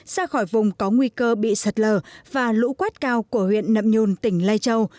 ra khỏi vùng có nguy cơ bị sật lờ và lũ quát cao của huyện nậm nhôn tỉnh lai châu